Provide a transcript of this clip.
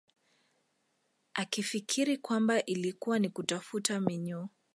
Akifikiri kwamba ilikuwa ni kutafuta minyoo